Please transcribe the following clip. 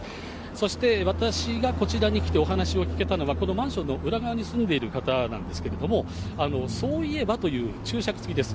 そして、私がこちらに来てお話を聞けたのは、このマンションの裏側に住んでいる方なんですけれども、そういえばという注釈付きです。